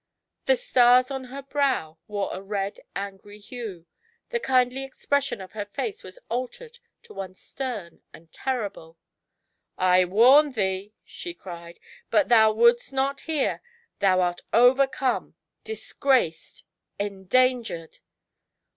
The stars on her brow wore a red, angry hue, the kindly exprt^on of her face was altered to one stem and terrible. I warned thee," she cried, ''but thou wouldst not hear ! Thou art overcome — disgraced — endangered